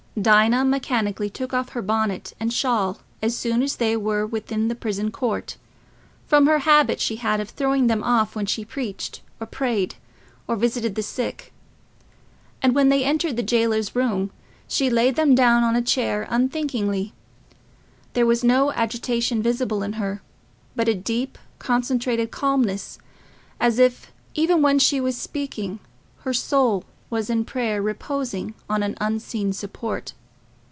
Dinah mechanically took off her bonnet and shawl as soon as they were within the prison court, from the habit she had of throwing them off when she preached or prayed, or visited the sick; and when they entered the jailer's room, she laid them down on a chair unthinkingly. There was no agitation visible in her, but a deep concentrated calmness, as if, even when she was speaking, her soul was in prayer reposing on an unseen support.